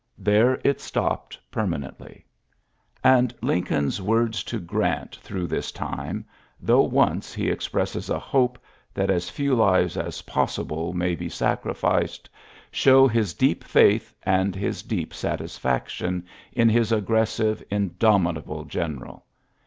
There it stopped per ^'riftnently. And Lincoln's words to Orant through u nis time, though once he expresses a k ope fiiat as few lives as possible may be iiorary ^oii 112 ULYSSES S. GEANT sacrificed^ show his deep faith and his deep satisfaction in his aggressive; in domitable general.